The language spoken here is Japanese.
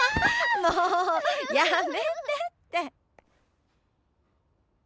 もうやめてって。